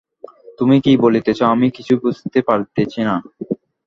তুমি কী বলিতেছ, আমি কিছুই বুঝিতে পারিতেছি না।